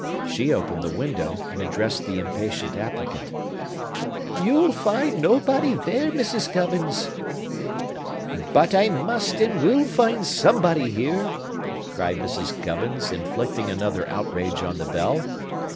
She opened the window, and addressed the impatient applicant. "You'll find nobody there, Mrs. Gubbins." "But I must and will find somebody here!" cried Mrs. Gubbins, inflicting another outrage on the bell.